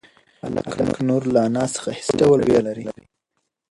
هلک نور له انا څخه هېڅ ډول وېره نه لري.